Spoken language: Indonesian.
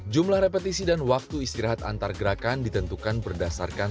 jumlah repetisi dan waktu istirahat antar gerakan ditentukan berdasarkan